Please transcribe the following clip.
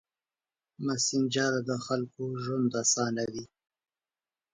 مسېنجر د خلکو ژوند اسانوي.